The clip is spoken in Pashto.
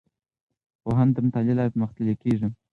پوهنه د مطالعې له لارې پرمختللې کیږي.